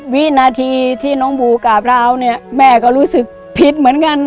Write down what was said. วินาทีที่น้องบูกราบราวเนี่ยแม่ก็รู้สึกผิดเหมือนกัน